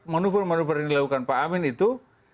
manuver manuver yang dilakukan pak amin itu